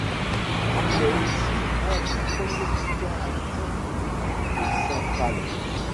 Il est aussi un des premiers soutiens actifs de Niki de Saint Phalle.